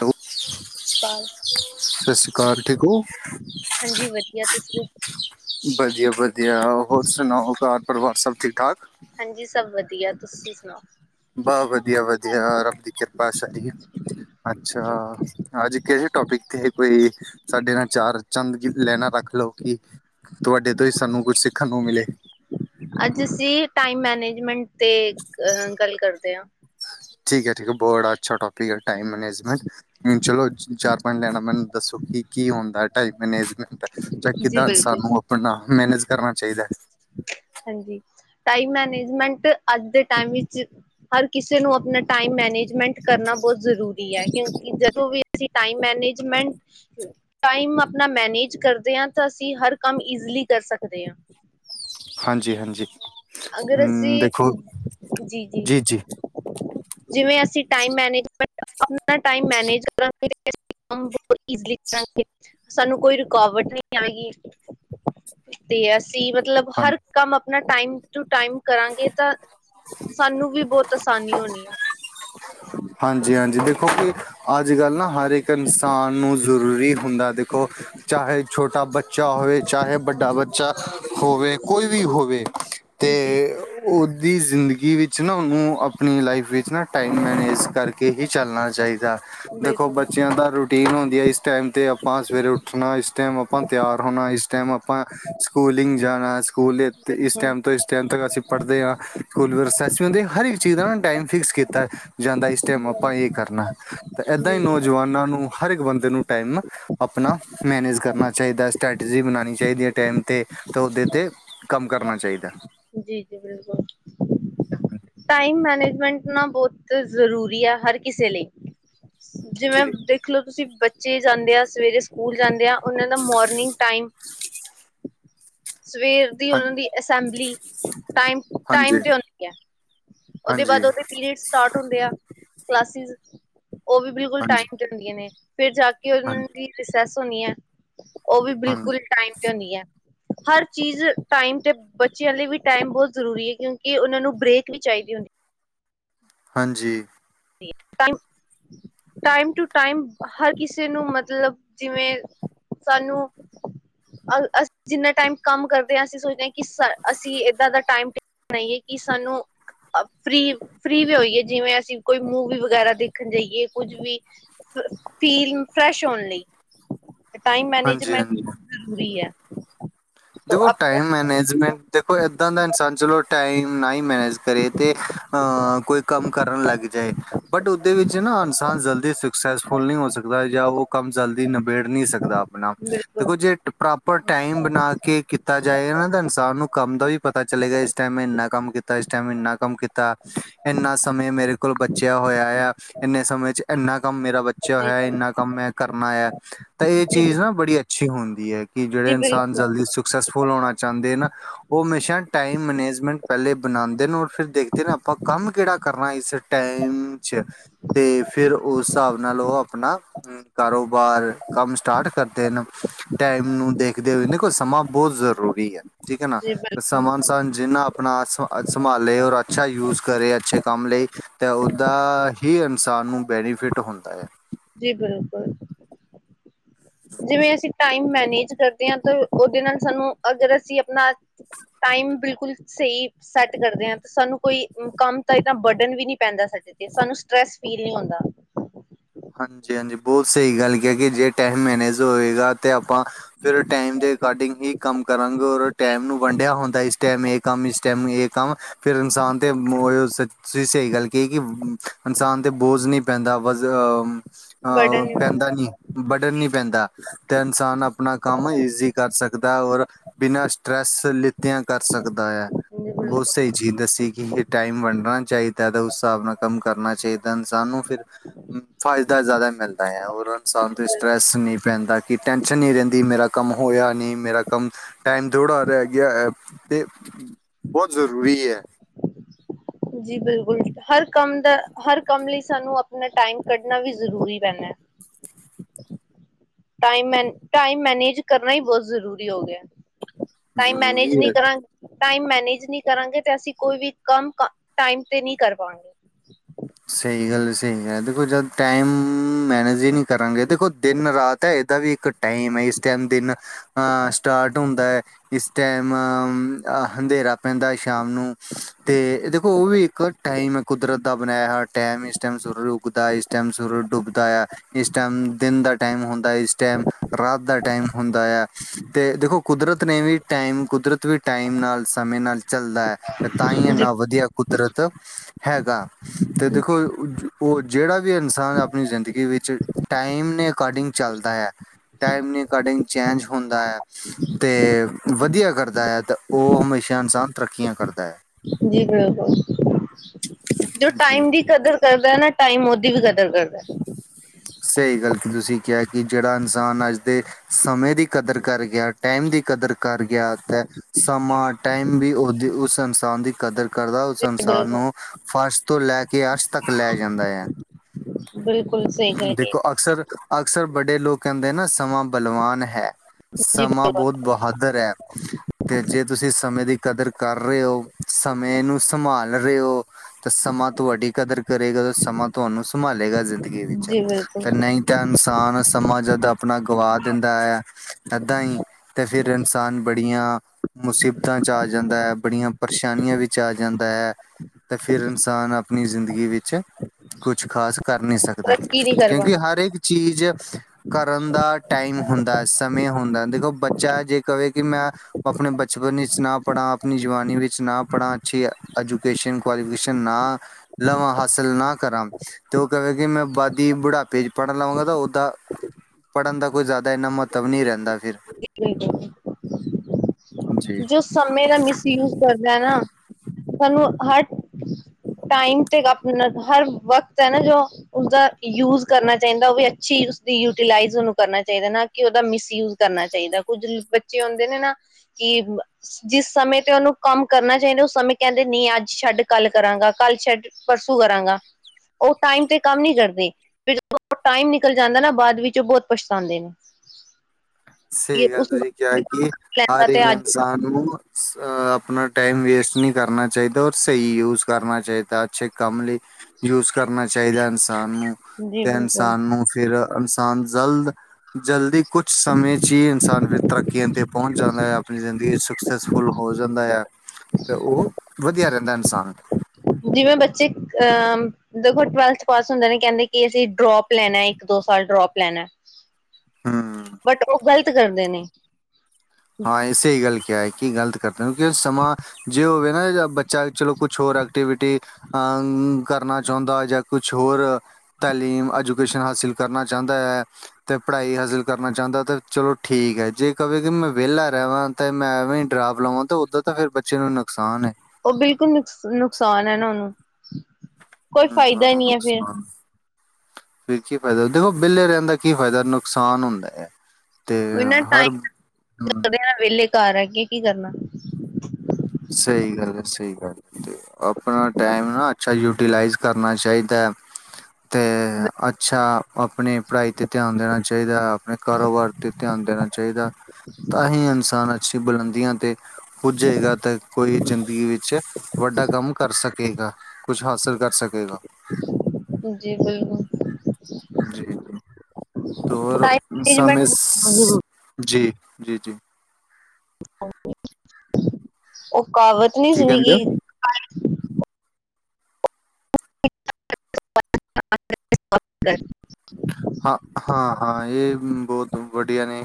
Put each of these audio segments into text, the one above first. Hello ਸਤਿ ਸ਼੍ਰੀ ਅਕਾਲ ਠੀਕ ਓ ਹਾਂਜੀ ਵਧੀਆ ਤੁਸੀਂ ਦੱਸੋ ਵਧੀਆ-ਵਧੀਆ ਹੋਰ ਸੁਣਾਓ ਘਰ ਪਰਵਾਰ ਸਭ ਠੀਕ ਠਾਕ ਹਾਂਜੀ ਸਭ ਵਧੀਆ ਤੁਸੀਂ ਸੁਣਾਓ ਬਾ ਵਧੀਆ-ਵਧੀਆ ਰਬ ਦੀ ਕਿਰਪਾ ਸਾਡੀ ਅੱਛਾ ਹਾਂਜੀ ਏ ਟੋਪਿਕ ਤੇ ਕੋਈ ਸਾਡੇ ਨਾਲ ਚਾਰ ਚੰਦ ਲੈਣਾ ਲਗ ਲੋਕੀ ਤੁਹਾਡੇ ਤੋਂ ਈ ਸਾਨੂੰ ਕੁੱਝ ਸਿੱਖਣ ਨੂੰ ਮਿਲੇ ਅੱਜ ਅਸੀਂ ਟਾਈਮ ਮੈਨੇਜਮੈਂਟ ਤੇ ਅ ਗੱਲ ਕਰਦੇ ਆ। ਠੀਕ-ਠੀਕ ਐ ਬੋਹ ੜਾ ਅੱਛਾ ਟੋਪਿਕ ਹੈ ਟਾਈਮ ਮੈਨੇਜਮੈਂਟ ਚਲੋ ਲੈਣਾ ਮੈਨੂੰ ਦੱਸੋ ਕਿ ਕੀ ਹੁੰਦਾ ਟਾਈਮ ਮੈਨੇਜਮੈਂਟ ਜਾਂ ਜੀ ਕਿੱਦਾਂ ਬਿਲਕੁਲ ਸਾਨੂੰ ਆਪਣਾ ਮੈਨੇਜ ਕਰਨਾ ਚਾਈਦਾ ਹਾਂਜੀ ਟਾਈਮ ਮੈਨੇਜਮੈਂਟ ਅੱਜ ਦੇ ਟਾਈਮ ਵਿੱਚ ਹਰ ਕਿਸੇ ਨੂੰ ਆਪਣਾ ਟਾਈਮ ਮੈਨੇਜਮੈਂਟ ਕਰਨਾ ਬੋਤ ਜ਼ਰੂਰੀ ਏ ਕਿਉਂਕਿ ਜਦੋਂ ਵੀ ਅਸੀਂ ਟਾਈਮ ਮੈਨੇਜਮੈਂਟ ਟਾਈਮ ਆਪਣਾ ਮੈਨੇਜ ਕਰਦੇ ਆ ਤਾਂ ਅਸੀਂ ਹਰ ਕੰਮ ਈਜ਼ਲੀ ਕਰ ਸਕਦੇ ਆ ਹਾਂਜੀ, ਹਾਂਜੀ ਹ ਅਗਰ ਅਸੀਂ ਦੇਖੋ ਜੀ ਜੀ ਜੀ-ਜੀ ਜਿਵੇਂ ਅਸੀਂ ਟਾਈਮ ਮੈਨੇਜ ਆਪਣਾ ਟਾਈਮ ਮੈਨੇਜ ਕਰਾਂਗੇ ਬ ਕਰਾਂਗੇ [unintelligible] ਸਾਨੂੰ ਕੋਈ ਰੁਕਾਵਟ ਨਹੀਂ ਆਏਗੀ, ਤੇ ਅਸੀਂ ਮਤਲਬ ਹਰ ਹਾਂਜੀ ਕੰਮ ਆਪਣਾ ਟਾਈਮ ਟੂ ਟਾਈਮ ਕਰਾਂਗੇ ਤਾਂ ਸਾਨੂੰ ਵੀ ਬਹੁਤ ਆਸਾਨੀ ਹੋਣੀ ਹੈ ਹਾਂਜੀ-ਹਾਂਜੀ ਦੇਖੋ ਕਿ ਅੱਜ ਕੱਲ੍ਹ ਨਾ ਹਰ ਇੱਕ ਇਨਸਾਨ ਨੂੰ ਜ਼ਰੂਰੀ ਹੁੰਦਾ ਦੇਖੋ ਚਾਹੇ ਛੋਟਾ ਬੱਚਾ ਹੋਵੇ, ਚਾਹੇ ਵੱਡਾ ਬੱਚਾ ਹੋਵੇ, ਕੋਈ ਵੀ ਹੋਵੇ ਤੇ ਜੀ ਉਹਦੀ ਜ਼ਿੰਦਗੀ ਵਿੱਚ ਨਾ ਉਹਨੂੰ ਆਪਣੀ ਲਾਈਫ ਵਿੱਚ ਨਾ ਟਾਈਮ ਮੈਨੇਜ ਕਰਕੇ ਹੀ ਚੱਲਣਾ ਚਾਹੀਦਾ ਦੇਖੋ ਬਿਲਕੁਲ ਬੱਚਿਆਂ ਦਾ ਰੁ ਰੂਟੀਨ ਹੁੰਦੀ ਹੈ ਇਸ ਟਾਈਮ 'ਤੇ ਆਪਾਂ ਸਵੇਰੇ ਉੱਠਣਾ, ਇਸ ਟਾਈਮ ਆਪਾਂ ਤਿਆਰ ਹੋਣਾ, ਇਸ ਟਾਈਮ ਆਪਾਂ ਸਕੂਲਿੰਗ ਜਾਣਾ, ਸਕੂਲ ਇਸ ਬਿਲਕੁਲ ਟਾਈਮ ਤੋਂ ਇਸ ਟਾਈਮ ਤੱਕ ਅਸੀਂ ਪੜ੍ਹਦੇ ਹਾਂ ਸਕੂਲ ਰੀਸੈਸ ਵੀ ਹੁੰਦੀ ਹਰ ਇੱਕ ਚੀਜ਼ ਦਾ ਟਮ ਫਿਕਸ ਕੀਤਾ ਜਾਂਦਾ ਆਪ ਜੀ ਇਹ ਕਰਨਾ ਤੇ ਏਦਾਂ ਹੀ ਜੀ ਨੌਜਵਾਨਾਂ ਨੂੰ ਹਰ ਇੱਕ ਬੰਦੇ ਨੂੰ ਟਾਈਮ ਆਪਣਾ ਮੈਨੇਜ ਕਰਨਾ ਚਾਹੀਦਾ ਸਟ੍ਰੈਟਜੀ ਬਣਾਉਣੀ ਚਾਹੀਦੀ ਹੈ ਟਾਈਮ ਤੇ, ਤਾਂ ਉਹਦੇ ਤੇ ਕੰਮ ਕਰਨਾ ਚਾਹੀਦਾ ਜੀ- ਜੀ ਬਿਲਕੁਲ ਟਾਈਮ ਮੈਨੇਜਮੈਂਟ ਉਠਣਾ ਬਹੁਤ ਜ਼ਰੂਰੀ ਹੈ ਹਰ ਕਿਸੇ ਲਈ, ਜਿਵੇਂ ਜੀ ਦੇ ਦੇਖ ਲਓ ਤੁਸੀਂ ਬੱਚੇ ਜਾਂਦੇ ਆ, ਸਵੇਰੇ ਸਕੂਲ ਜਾਂਦੇ ਆ, ਉਹਨਾਂ ਦਾ ਮੋਰਨਿੰਗ ਟਾਈਮ ਸਵੇਰ ਦੀ ਹਾਂ ਉਹਨਾ ਦੀ ਅਸੈਂਬਲੀ, ਟਾਈਮ ਟਾਈਮ ਹਾਂਜੀ ਤੇ ਹੁੰਦੀਆ, ਉਹਦੇ ਹਾਂਜੀ ਬਾਅਦ ਹਾਂਜੀ ਉਹਦੇ ਪੀਰੀਅਡ ਸਟਾਰਟ ਹੁੰਦੇ ਆ, ਕਲਾਸਿਸ ਉਹ ਵੀ ਬਿਲਕੁਲ ਹਾਂਜੀ ਟਾਈਮ ਚ ਹੁੰਦੀਆਂ ਨੇ ਫਿਰ ਜਾ ਕੇ ਕਿ ਉਹਨਾਂ ਹਾਂਜੀ ਦੀ ਰਿਸੈਸ ਹੋਣੀ ਹੈ, ਉਹ ਵੀ ਹਾਂਜੀ ਬਿਲਕੁਲ ਟਾਈਮ ਤੇ ਹੁੰਦੀ ਹੈ ਹਰ ਚੀਜ਼ ਟਾਈਮ ਤੇ ਬੱਚਿਆਂ ਲਈ ਵੀ ਟਾਈਮ ਬਹੁਤ ਜ਼ਰੂਰੀ ਹੈ ਕਿਉਂਕਿ ਉਹਨਾਂ ਨੂੰ ਬ੍ਰੇਕ ਵੀ ਚਾਹੀਦੀ ਹੁੰਦੀ ਹਾਂਜੀ [unintelligible] [unintelligible] ਟਾਈਮ ਟੂ ਟਾਈਮ ਹਰ ਕਿਸੇ ਨੂੰ ਮਤਲਬ ਜਿਵੇਂ ਸਾਨੂੰ ਅ ਅਂ ਜਿੰਨਾ ਟਾਈਮ ਕੰਮ ਕਰਦੇ ਹਾਂ ਅਸੀਂ ਸੋਚਦੇ ਹਾਂ ਕਿ ਅਸੀਂ ਏਦਾਂ ਦਾ ਟਾਈਮ ਬਣਾਈਏ ਕਿ ਸਾਨੂੰ ਫ੍ਰਰੀ- ਫ੍ਰਰੀ ਵੀ ਹੋਈਏ ਜਿਵੇਂ ਅਸੀਂ ਕੋਈ ਮੂਵੀ ਵਗੈਰਾ ਦੇਖਣ ਜਾਈਏ ਕੁੱਝ ਵੀ ਫੀਲ ਫਰੈਸ਼ ਹੋਣ ਲਈ ਟਾਈਮ ਮੈਨੇਜਮੈਂਟ ਹਾਂਜੀ ਬ ਜ਼ਰੂਰੀ ਹੈ ਤੋ ਦੇਖੋ ਟਾਈਮ ਮੈਨੇਜਮੈਂਟ ਦੇਖੋ ਏਦਾਂ ਦਾ ਇਨਸਾਨ ਚਲੋ ਟਾਈਮ ਨਾ ਹੀ ਮੈਨੇਜ ਕਰੇ ਤੇ ਅ ਕੋਈ ਕੰਮ ਕਰਨ ਲੱਗ ਜਾਏ ਬਟ ਉਹਦੇ ਵਿੱਚ ਨਾ ਇਨਸਾਨ ਜਲਦੀ ਸਕਸੈਸਫੁਲ ਨਹੀਂ ਹੋ ਸਕਦਾ ਜਾਂ ਉਹ ਕੰਮ ਜਲਦੀ ਨਿਬੇੜ ਨਹੀਂ ਸਕਦਾ ਆਪ ਬਿਲਕੁਲ ਦੇਖੋ ਜੇ ਪ੍ਰੋਪਰ ਟਾਈਮ ਬਣਾ ਕੇ ਕੀਤਾ ਜਾਏਗਾ ਨਾ ਤਾਂ ਇਨਸਾਨ ਨੂੰ ਕੰਮ ਦਾ ਵੀ ਪਤਾ ਚਲੇਗਾ ਇਸ ਟਾਈਮ ਇੰਨਾ ਕੰਮ ਕੀਤਾ, ਇਸ ਟਾਈਮ ਇੰਨਾ ਕੰਮ ਕੀਤਾ ਇੰਨਾ ਸਮੇਂ ਮੇਰੇਲ ਕੋਲ ਬੱਚਿਆ ਹੋਇਆ ਆ ਇੰਨੇ ਸਮੇਂ ਚ ਇੰਨਾ ਕੰਮ ਮੇਰਾ ਬੱਚਿਆ ਜੀ ਹੋਇਆ ਇੰਨਾ ਕੰਮ ਹੈ ਕਰਨਾ ਹੈ ਤਾਂ ਇਹ ਜੀ ਚੀਜ਼ ਨਾ ਬੜੀ ਅੱਛੀ ਹੁੰਦੀ ਹੈ ਕਿ ਜਿਹੜੇ ਜੀ ਇਨਸਾਨ ਬਿਲਕੁਲ ਜਲਦੀ ਸਕਸੈਸਫੁਲ ਹੋਣਾ ਚਾਹੁੰਦੇ ਨੇ ਉਹ ਹਮੇਸ਼ਾ ਟਾਈਮ ਮੈਨੇਜਮੈਂਟ ਪਹਿਲੇ ਬਣਾਉਦੇ ਫਿਰ ਦੇਖਦੇ ਤੇ ਆਪਾਂ ਕੰਮ ਕਿਹੜਾ ਕਰਨਾ ਇਸ ਟਾਈਮ ਚ ਤੇ ਫਿਰ ਉਸ ਹਿਸਾਬ ਨਾਲ ਉਹ ਆਪਣਾ ਕਾਰੋਬਾਰ ਕੰਮ ਸਟਾਰਟ ਕਰਦੇ ਨੇ ਟਾਈਮ ਨੂੰ ਦੇਖਦੇ ਹੋ ਇਹਦੇ ਕੋਲ ਸਮਾਂ ਬਹੁਤ ਜ਼ਰੂਰੀ ਹੈ, ਠੀਕ ਹੈ ਨਾ ਜੀ ਤੇ ਬਿਲਕੁਲ ਸਮਾ ਅਨੁਸਾਰ ਜਿੰਨ੍ਹਾਂ ਆਪਣਾ ਸੰਭਾਲੇ ਅੱਛਾ ਯੂਜ ਕਰੇ ਅੱਛੇ ਕੰਮ ਲਈ ਤੇ ਓਦਾ ਹੀ ਇਨਸਾਨ ਨੂੰ ਬੈਨੀਫਿਟ ਹੁੰਦਾ ਹੈ ਜੀ ਬਿਲਕੁਲ ਜਿਵੇਂ ਅਸੀਂ ਟਾਈਮ ਮੈਨੇਜ ਕਰਦੇ ਹਾਂ, ਤਾਂ ਉਹਦੇ ਨਾਲ ਸਾਨੂੰ ਅਗਰ ਅਸੀਂ ਆਪਣਾ ਟਾਈਮ ਬਿਲਕੁਲ ਸਹੀ ਸੈੱਟ ਕਰਦੇ ਹਾਂ, ਤੇ ਸਾਨੂੰ ਕੋਈ ਕੰਮ ਤਾਂ ਇਦ ਬਰਡਨ ਵੀ ਨੀ ਪੈਂਦਾ ਸਾਡੇ ਤੇ, ਸਾਨੂੰ ਸਟਰੈਸ ਫੀਲ ਨਹੀਂ ਹੁੰਦਾ। ਹਾਂਜੀ ਹਾਂਜੀ ਬਹੁਤ ਸਹੀ ਗੱਲ ਕਹੀ, ਕਿ ਜੇ ਟਾਈਮ ਮੈਨੇਜ ਹੋਵੇਗਾ, ਤੇ ਆਪਾਂ ਫਿਰ ਟਾਈਮ ਦੇ ਅਕੋਡਿੰਗ ਹੀ ਕੰਮ ਕਰਾਂਗੇ, ਹੋਰ ਟਾਈਮ ਨੂੰ ਵੰਡਿਆ ਹੁੰਦਾ, ਇਸ ਟਾਈਮ ਇਹ ਕੰਮ, ਇਸ ਟਾਈਮ ਇਹ ਕੰਮ ਫਿਰ ਇਨਸਾਨ, ਤੇ ਤੁਸੀਂ ਸਹੀ ਗੱਲ ਕਹੀ ਕਿ ਇਨਸਾਨ ਤੇ ਬੋਝ ਨਹੀਂ ਪੈਂਦਾ ਵ ਬਰਡਨ ਅਹ ਨਹੀਂ ਪੈਂਦਾ ਨੀ, ਬਰਡਨ ਨੀ ਪੈਂਦਾ। ਤੇ ਇਨਸਾਨ ਆਪਣਾ ਕੰਮ ਈਜ਼ੀ ਕਰ ਸਕਦਾ ਹੈ, ਔਰ ਬਿਨਾਂ ਸਟਰ੍ਰੈੱਸ ਲਿਤੇਆਂ, ਕਰ ਸਕਦਾ ਹੈ। ਜੀ ਬਹੁਤ ਸਹੀ ਚੀਜ਼ ਦੱਸੀ, ਕਿ ਟਾਈਮ ਵੰਡਣਾ ਚਾਹੀਦਾ, ਤਾਂ ਉਸ ਹਿਸਾਬ ਨਾਲ ਕੰਮ ਕਰਨਾ ਚਾਹੀਦਾ, ਇਨਸਾਨ ਨੂੰ ਫਿਰ ਹੂ ਫ਼ਾਇਦਾ ਜ਼ਿਆਦਾ ਮਿਲਦਾ ਹੈ, ਹੋਰ ਇਨਸਾਨ ਤੋਂ ਬਿਲਕੁਲ ਸਟ੍ਰੈਸ ਨਹੀਂ ਪੈਂਦਾ, ਕਿ ਟੈਨਸ਼ਨ ਨਹੀਂ ਰਹਿੰਦੀ, ਮੇਰਾ ਕੰਮ ਹੋਇਆ ਨਹੀਂ, ਮੇਰਾ ਕੰਮ, ਟਾਈਮ ਥੋੜ੍ਹਾ ਰਹਿ ਗਿਆ ਅਤੇ ਬਹੁਤ ਜ਼ਰੂਰੀ ਹੈ ਜੀ ਬਿਲਕੁਲੀ, ਹਰ ਕੰਮ ਦਾ ਹਰ ਕੰਮ ਲਈ ਸਾਨੂੰ ਆਪਣਾ ਟਾਈਮ ਕੱਢਣਾ ਵੀ ਜ਼ਰੂਰੀ ਪੈਂਦਾ। ਟਮ ਮੈਨ ਟਾਈਮ ਮੈਨੇਜ ਕਰਨਾ ਹੀ ਬਹੁਤ ਜ਼ਰੂਰੀ ਹੋ ਗਿਆ, ਟਾਈਮ ਮੈਨੇਜ ਜ਼ਰੂਰੀ ਹੈ ਨਹੀਂ ਕਰਾਂਗੇ ਟਾਈਮ ਮੈਨੇਜ ਨਹੀਂ ਕਰਾਂਗੇ, ਤੇ ਅਸੀਂ ਕੋਈ ਵੀ ਕੰਮ ਟਾਈਮ ਤੇ ਨ ਕਰ ਪਾਂਗੇ। ਸਹੀ ਗੱਲ ਸਹੀ ਹੈ, ਦੇਖੋ ਜਦ ਟਾਈਮ ਮੈਨੇਜ ਹੀ ਨਹੀਂ ਕਰਾਂਗੇ, ਦੇਖੋ ਦਿਨ ਰਾਤ ਹੈ, ਇਹਦਾ ਵੀ ਇੱਕ ਟਾਈਮ, ਇਸ ਟਾਈਮ ਦਿਨ ਸਟਾਰਟ ਹੁੰਦਾ ਹੈ। ਇਸ ਟਾਈਮ ਹ, ਅੰਧੇਰਾ ਪੈਂਦਾ ਸ਼ਾਮ ਨੂੰ। ਤੇ, ਦੇਖੋ ਉਹ ਵੀ ਇੱਕ ਟਾਈਮ ਹੈ, ਕੁਦਰਤ ਦਾ ਬਣਾਇਆਾ ਟਾਈਮ, ਇਸ ਟਾਈਮ ਸੁਰਜ ਉੱਗਦਾ, ਇਸ ਟਾਈਮ ਸੁਰਜ ਡੁੱਬਦਾ ਆ। ਇਸ ਟਾਈਮ ਦਿਨ ਦਾ ਟਾਈਮ ਹੁੰਦਾ, ਇਸ ਟਾਈਮ ਰਾਤ ਦਾ ਟਾਈਮ ਹੁੰਦਾ ਆ, ਤੇ ਦੇਖੋ ਕੁਦਰਤ ਨੇ ਵੀ ਟਾਈਮ, ਕੁਦਰਤ ਵੀ ਟਾਈਮ ਨਾਲ, ਸਮੇਂ ਨਾਲ ਚੱਲਦਾ ਹੈ, ਤੇ ਤਾਂ ਹੀ ਇੰਨਾ ਵਧੀਆ ਕੁਦਰਤ ਹੈਗਾ, ਤੇ ਦੇਖੋ ਉਹ ਜਿਹੜਾ ਵੀ ਇਨਸਾਨ ਆਪਣੀ ਜ਼ਿੰਦਗੀ ਵਿੱਚ, ਟਾਈਮ ਦੇ ਅਕੋਡਿੰਗ ਚੱਲਦਾ ਹੈ ਟਾਈਮ ਨ ਅਕਾਡਿੰਗ ਚੇਂਜ ਹੁੰਦਾ ਹੈ ਤੇ ਵਧੀਆ ਕਰਦਾ ਹੈ, ਤੇ ਉਹ ਹਮੇਸ਼ਾ ਇਨਸਾਨ ਤਰੱਕੀਆਂ ਕਰਦਾ ਹੈ। ਜੀ ਬਿਲਕੁਲ, ਜੋ ਜੀ ਟਾਈਮ ਦੀ ਕਦਰ ਕਰਦਾ ਨਾ, ਟਾਈਮ ਉਹਦੀ ਵੀ ਕਦਰਮ ਕਰਦਾ। ਸਹੀ ਗੱਲ, ਕੀ ਤੁਸੀਂ ਕਿਹਾ ਕਿ ਜਿਹੜਾ ਇਨਸਾਨ ਅੱਜ ਦੇ ਸਮਯ ਦੀ ਕਦਰ ਕਰ ਗਿਆ, ਟਾਈਮ ਦੀ ਕਦਰ ਕਰ ਗਿਆ ਤੇ ਸਮਾਂ, ਟਾਈਮ ਵੀ ਉਹਦੀ, ਉਸ ਇਨਸਾਨ ਦੀ ਕਦਰ ਕਰਦਾ, ਉਸ ਇਨਸਾਰ ਬਿਲਕੁਲ ਨੂੰ ਫਰਸ਼ ਤੋਂ ਲੈ ਕੇ ਅਰਸ਼ ਤੱਕ ਲੈ ਜਾਂਦਾ ਹੈ। ਬਿਲਕੁਲ ਸਹੀ ਗੱਲ ਕਹੀ ਦੇਖੋ ਅਕਸਰ ਅਕਸਰ ਵੱਡੇ ਲੋਕ ਕਹਿੰਦੇ ਨਾ, ਸਮਾਂ ਬਲਵਾਨ ਹੈ, ਜੀ ਸਮਾਂ ਬਹੁਤ ਬਹਾਦਰ ਹੈ। ਤੇ ਜੇ ਤੁਸੀਂ ਸਮਯ ਦੀ ਕਦਰ ਕਰ ਰਹੇ ਹੋ, ਸਮਯ ਨੂੰ ਸੰਭਾਲ ਰਹੇ ਹੋ ਤੇ ਸਮਾਂ ਤੁਹਾਡੀ ਕਦਰ ਕਰੇਗਾ, ਤੇ ਸਮਾਂ ਤੁਹਾਨੂੰ ਸੰਭਾਲੇਗਾ ਜ਼ਿੰਦਗੀ ਵਿੱਚ, ਜੀ ਬਿਲਕੁਲ ਤੇ ਨਹੀ ਤਾਂ ਇਨਸਾਨ ਸਮਾਂ ਜਦ ਆਪਣਾ ਗਵਾ ਦਿੰਦਾ ਹੈ, ਏਦਾਂ ਹੀ ਤੇ ਫਿਰ ਇਨਸਾਨ ਬੜੀਆਂ ਮੁਸੀਬਤਾਂ ਚ ਆ ਜਾਂਦਾ ਹੈ, ਬੜੀਆਂ ਪਰੇਸ਼ਾਨੀਆਂ ਵਿੱਚ ਆ ਜਾਂਦਾ ਹੈ, ਤੇ ਫਿਰ ਇਨਸਾਨ ਆਪਣੀ ਜ਼ਿੰਦਗੀ ਵਿੱਚ ਕੁਛ ਖਾਸ ਕਰ ਨਹੀਂ ਸਕਦਾ, ਤਰੱਕੀ ਨਹੀਂ ਕਰ ਕਿਉਂਕਿ ਪਾਉਂਦਾ ਹਰ ਇੱਕ ਚੀਜ਼ ਕਰਨ ਦਾ ਟਾਈਮ ਹੁੰਦਾ, ਸਮਯ ਹੁੰਦਾ, ਦੇਖੋ ਬੱਚਾ ਜੇ ਕਵੇ ਕਿ ਮੈਂ ਆਪਣੇ ਬਚਪਨ ਵਿੱਚ ਨਾ ਪੜ੍ਹਾ, ਆਪਣੀ ਜਵਾਨੀ ਵਿੱਚ ਨਾ ਪੜ੍ਹਾ, ਅੱਛੀ ਐਜੂਕੇਸ਼ਨ ਕੁਆਲੀਫਿਕੇਸ਼ਨ ਨਾ ਲਵਾਂ, ਹਾਸਿਲ ਨਾ ਕਰਾਂ, ਤੇ ਉਹ ਕਵੇ ਕਿ ਮੈਂ ਬਾਦ ਬੁਢਾਪੇ ਚ ਪੜ੍ਹ ਲਵਾਂਗਾ, ਤਾਂ ਓਦਾਂ ਪੜ੍ਹਨ ਦਾ ਕੋਈ ਜ਼ਿਆਦਾ ਇੰਨਾ ਮਹੱਤਵ ਨਹੀਂ ਰਹਿੰਦਾ ਫਿਰ। [unintelligible] ਜੀ ਜੋ ਸਮਯ ਦਾ ਮਿਸਯੂਜ ਕਰਦਾ ਨਾ, ਸਾਨੂੰ ਹਰ ਟਾਈਮ ਤੇ ਣਾ, ਹਰ ਵਕਤ ਹੈ ਨਾ ਜੋ ਉਸਦਾ ਯੂਜ ਕਰਨਾ ਚਾਹੀਦਾ, ਉਹ ਵੀ ਅੱਛੀ ਉਸਦੀ ਯੂਟੀਲਾਈਜ਼ ਉਹਨੂੰ ਕਰਨਾ ਚਾਹੀਦਾ ਨਾ। ਕਿ ਉਹਦਾ ਮਿਸਯੂਜ ਕਰਨਾ ਚਾਹੀਦਾ, ਕੁੱਝ ਬੱਚੇ ਹੁੰਦੇ ਨੇ ਨਾ ਕਿ ਜਿਸ ਸਮੇਂ ਤੇ ਉਹਨੂੰ ਕੰਮ ਕਰਨਾ ਚਾਹੀਦਾ, ਉਸ ਸਮੇਂ ਕਹਿੰਦੇ ਨਹੀਂ ਅੱਜ ਛੱਡ ਕੱਲ ਕਰਾਂਗਾ, ਕੱਲ ਛੱਡ ਪਰਸੋਂ ਕਰਾਂਗਾ, ਉਹ ਟਾਈਮ ਤੇ ਕੰਮ ਨੀ ਕਰਦੇ। ਫਿਰ ਜਦੋਂ ਟਾਈਮ ਨਿਕਲ ਜਾਂਦਾ ਨਾ, ਬਾਅਦ ਵਿਚ ਉਹ ਬਹੁਤ ਪਛਤਾਂਦੇ ਨੇ। ਇਹ ਸਹੀ ਗੱਲ, ਉਸ ਤੁਸੀ ਵਕਤ ਕਿਹਾ ਤੇ ਕੰਮ ਕਿ ਕਰ ਲੈਂਦਾ ਹਰ ਤੇ ਇਕ ਅੱਜ ਇਨਸਾਨ ਨੂੰ ਆਪਣਾ ਟਾਈਮ ਵੇਸਟ ਨਹੀ ਕਰਨਾ ਚਾਹੀਦਾ, ਔਰ ਸਹੀ ਯੂਜ ਕਰਨਾ ਚਾਹੀਦਾ, ਅੱਛੇ ਕੰਮ ਲਈ ਯੂਜ ਕਰਨਾ ਚਾਹੀਦਾ ਇਨਸਾਨ ਨੂੰ। ਜੀ ਤੇ ਬਿਲਕੁਲ। ਇਨਸਾਨ ਨੂੰ ਫਿਰ, ਇਨਸਾਨ ਜਲਦ ਜਲਦੀ ਕੁਛ ਸਮੇਂ ਜੀ ਇਨਸਾਨ ਫਿਰ ਤਰੱਕੀਆਂ ਤੇ ਪਹੁੰਚ ਜਾਂਦਾ ਐ, ਆਪਣੀ ਜ਼ਿੰਦਗੀ ਚ ਸਕਸੈਸਫੁੱਲ ਹੋ ਜਾਂਦਾ ਐ। ਤੇ ਉਹ ਵਧੀਆ ਰਹਿੰਦਾ ਇਨਸਾਨ। ਜਿਵੇਂ ਬੱਚੇ ਅੰ ਦੇਖੋ ਟਵੈਲਥ ਪਾਸ ਹੁੰਦੇ ਨੇ, ਕਹਿੰਦੇ ਕਿ ਅਸੀ ਡਰੋਪ ਲੈਣਾ, ਇਕ ਦੋ ਸਾਲ ਡਰੋਪ ਲੈਣਾ। ਹੂੰ ਬਟ ਉਹ ਗਲਤ ਕਰਦੇ ਨੇ। ਹਾਂ, ਇਹ ਸਹੀ ਗੱਲ ਕਿਆ ਏ ਕਿ ਗਲਤ ਕਰਦੇ ਉਹ, ਕਿਉਂਕਿ ਸਮਾਂ ਜੇ ਹੋਵੇ ਨਾ ਬੱਚਾ ਚਲੋ ਕੁਛ ਹੋਰ ਐਕਟੀਵਿਟੀ ਅੰ ਕਰਨਾ ਚਾਹੁੰਦਾ, ਜਾਂ ਕੁਛ ਹੋਰ ਤਲੀਮ ਐਜੂਕੇਸ਼ਨ ਹਾਸਿਲ ਕਰਨਾ ਚਾਂਹਦਾ ਐ। ਤੇ ਪੜ੍ਹਾਈ ਹਾਸਿਲ ਕਰਨਾ ਚਾਂਹਦਾ ਤੇ ਚਲੋ ਠੀਕ ਐ, ਜੇ ਕਵੇ ਕਿ ਮੈਂ ਵਿਹਲਾ ਰਹਿਵਾਂ, ਤੇ ਮੈ ਐਵੇਂ ਹੀ ਡਰਾਪ ਲਵਾਂ, ਤੇ ਉਦਾਂ ਤਾਂ ਫੇਰ ਬੱਚੇ ਨੂੰ ਨੁਕਸਾਨ ਐ। ਉਹ ਬਿਲਕੁਲ ਨੁਕ ਨੁਕਸਾਨ ਐ ਨਾ ਉਹਨੂੰ, ਕੋਈ ਹਮ ਫਾਇਦਾ ਉਹਨੂੰ ਨੀ ਹੈ ਫਿਰ ਨੁਕਸਾਨ ਫਿਰ ਕੀ ਫਾਇਦਾ, ਦੇਖੋ ਵਿਹਲੇ ਰਹਿਣ ਦਾ ਕੀ ਫਾਇਦਾ ਨੁਕਸਾਨ ਹੁੰਦਾ ਹੈ। ਤੇ ਐਨਾ ਹਰ ਹਮ ਟਾਈਮ ਵਿਹਲੇ ਘਰ ਰਹਿ ਕੇ ਕੀ ਕਰਨਾ। ਸਹੀ ਗੱਲ ਐ, ਸਹੀ ਗੱਲ ਤੇ ਆਪਣਾ ਟੈਮ ਨਾ ਅੱਛਾ ਯੂਟੀਲਾਈਜ਼ ਕਰਨਾ ਚਾਹੀਦਾ। ਤੇ ਅੱਛਾ ਆਪਣੀ ਪੜ੍ਹਾਈ ਤੇ ਧਿਆਨ ਦੇਣਾ ਚਾਹੀਦਾ। ਆਪਣੇ ਕਾਰੋਬਾਰ ਤੇ ਧਿਆਨ ਦੇਣਾ ਚਾਹੀਦਾ, ਤਾਂ ਹੀ ਇਨਸਾਨ ਅੱਛੀ ਬੁਲੰਦੀਆਂ ਤੇ ਪੁੱਜੇਗਾ ਤੇ, ਕੋਈ ਜ਼ਿੰਦਗੀ ਵਿੱਚ ਵੱਡਾ ਕੰਮ ਕਰ ਸਕੇ। ਠੀਕ ਐ, ਕੁੱਛ ਹਾਸਿਲ ਕਰ ਸਕੇਗਾ। ਜੀ ਬਿਲਕੁਲ ਜੀ-ਜੀ ਹੋਰ ਟਾਈਮ ਸਮੇਂ ਸਿ, ਮੈਨੇਜਮੈਂਟ ਜੀ-ਜੀ-ਜੀ ਉਹ ਕਹਾਵਤ ਨੀ ਕੀ ਕਹਿੰਦੇ ਹੋ ਸੁਣੀਗੀ। [unintelligible] ਹਾਂ- ਹਾਂ-ਹਾਂ ਇਹ ਬੋਤ ਵਡੀਆ ਨੇ,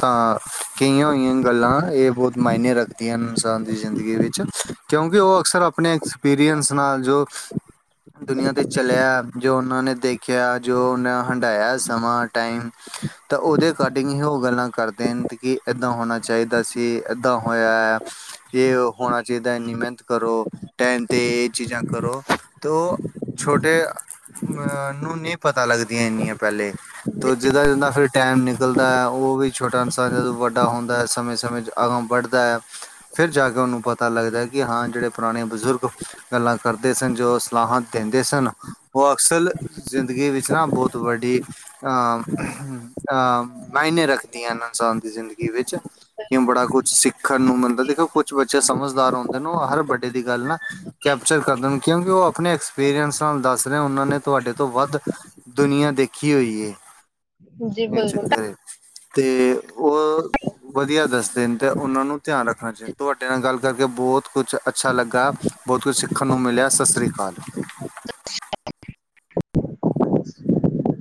ਤਾਂ ਕਈਆਂ ਹੋਈਆਂ ਗੱਲਾਂ ਇਹ ਬਹੁਤ ਮਾਇਨੇ ਰੱਖ ਦੀਆਂ ਇਨਸਾਨ ਦੀ ਜ਼ਿੰਦਗੀ ਵਿੱਚ, ਕਿਉਂਕਿ ਉਹ ਅਕਸਰ ਆਪਣੇ ਐਕਸਪੀਰੀਅੰਸ ਨਾਲ ਜੋ ਦੁਨੀਆਂ ਤੇ ਚਲਿਆ, ਜੋ ਉਹਨਾਂ ਨੇ ਦੇਖਿਆ, ਜੋ ਉਹਨਾਂ ਹੰਢਾਇਆ ਸਮਾਂ ਟਾਈਮ, ਤਾਂ ਉਹਦੇ ਅਕਾਡਿੰਗ ਹੀ ਉਹ ਗੱਲਾਂ ਕਰ ਦਿਨ ਦੀ ਕਿ ਏਦਾਂ ਹੋਣਾ ਚਾਹੀਦਾ ਸੀ, ਏਦਾਂ ਹੋਇਆ ਆ। ਇਹ ਹੋਣਾ ਚਾਹੀਦਾ ਇੰਨੀ ਮਿਹਨਤ ਕਰੋ, ਟਾਈਮ ਤੇ ਇਹ ਚੀਜਾਂ ਕਰੋ, ਤੋ ਛੋਟੇ ਅਹ ਨੂੰ ਨਹੀਂ ਪਤਾ ਲੱਗਦੀਆਂ ਇੰਨੀਆਂ ਪਹਿਲੇ। ਦੂਜੇ ਦਾ ਜਿੱਦਾਂ ਫੇਰ ਟਾਈਮ ਨਿਕਲਦਾ ਐ, ਉਹ ਵੀ ਛੋਟਾ ਇਨਸਾਨ ਜਦੋਂ ਵੱਡਾ ਹੁੰਦਾ, ਸਮੇਂ- ਸਮੇਂ ਅਗਾਂਹ ਵੱਢਦਾ, ਫਿਰ ਜਾ ਕੇ ਉਹਨੂੰ ਪਤਾ ਲੱਗਦਾ, ਕਿ ਹਾਂ ਜਿਹੜੇ ਪੁਰਾਣੇ ਬਜ਼ੁਰਗ ਗੱਲਾਂ ਕਰਦੇ ਸਨ, ਜੋ ਸਲਾਹਾਂ ਦਿੰਦੇ ਸਨ, ਉਹ ਅਕਸਰ ਜ਼ਿੰਦਗੀ ਵਿਚ ਨਾ ਬਹੁਤ ਵਡੀ ਅਹ ਅਹ ਮਾਇਨੇ ਰੱਖਦੀਆਂ ਹਨ, ਇਨਸਾਨ ਦੀ ਜ਼ਿੰਦਗੀ ਵਿੱਚ। ਕਿ ਬੜਾ ਕੁਛ ਸਿੱਖਣ ਨੂੰ ਮਿਲਦਾ, ਦੇਖੋ ਕੁਛ ਬੱਚੇ ਸਮਝਦਾਰ ਹੁੰਦੇ ਨੇ, ਉਹ ਹਰ ਵੱਡੇ ਦੀ ਗੱਲ ਨਾ ਕੈਪਚਰ ਕਰ ਦੇਣ, ਕਿਉਕਿ ਉਹ ਆਪਣੇ ਐਕਸਪੀਰੀਅੰਸ ਨਾਲ ਦੱਸ ਰਹੇ ਆ, ਉਹਨਾਂ ਨੇ ਤੁਹਾਡੇ ਤੋਂ ਵੱਧ ਦੁਨੀਆਂ ਦੇਖੀ ਹੋਈ ਏ, ਜੀ ਇਹ ਬਿਲਕੁਲ ਚੱਕਰ ਏ। ਤੇ ਉਹ ਵਧੀਆ ਦੱਸਦੇ ਨੇ, ਤੇ ਉਹਨਾ ਨੂੰ ਧਿਆਨ ਰੱਖਣਾ ਚਾਹੀਦਾ, ਤੁਹਾਡੇ ਨਾਲ ਗੱਲ ਕਰਕੇ ਬੋਤ ਕੁਛ ਅੱਛਾ ਲੱਗਾ ਬਹੁਤ ਕੁਛ ਸਿਖਣ ਨੂੰ ਮਿਲਿਆ ਸਤਿ ਸ੍ਰੀ ਅਕਾਲ। [unintelligible]